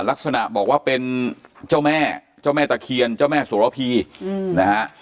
ลักษณะบอกว่าเป็นเจ้าแม่เจ้าแม่ตะเคียนเจ้าแม่สุรพีนะฮะ